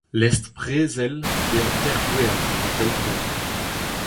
Lestr-brezel, dezhañ teir gwern ha daou bont.